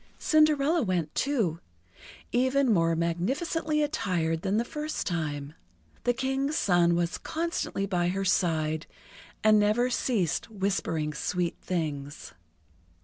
Cinderella went, too, even more magnificently attired than the first time. The King's son was constantly by her side, and never ceased whispering sweet things.